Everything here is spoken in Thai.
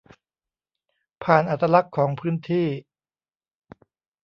ผ่านอัตลักษณ์ของพื้นที่